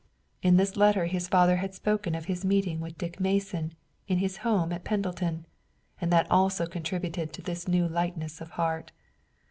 In this letter his father had spoken of his meeting with Dick Mason in his home at Pendleton, and that also contributed to his new lightness of heart.